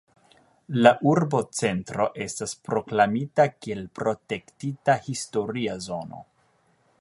La urbocentro estas proklamita kiel protektita historia zono.